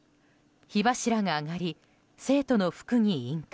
火柱が上がり、生徒の服に引火。